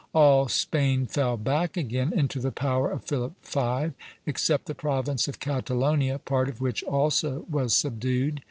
All Spain fell back again into the power of Philip V., except the province of Catalonia, part of which also was subdued.